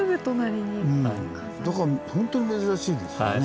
だからほんとに珍しいですよね。